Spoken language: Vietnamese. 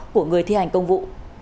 của người thi hành công vụ